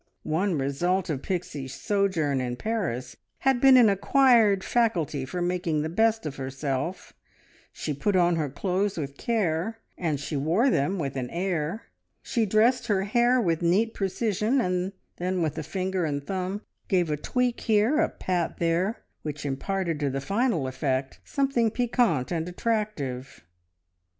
One result of Pixie's sojourn in Paris had been an acquired faculty for making the best of herself: she put on her clothes with care, she wore them "with an air," she dressed her hair with neat precision, and then with a finger and thumb gave a tweak here, a pat there, which imparted to the final effect something piquant and attractive.